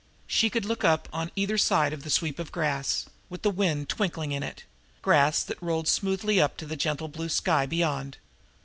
She could look up on either side to the sweep of grass, with the wind twinkling in it grass that rolled smoothly up to the gentle blue sky beyond.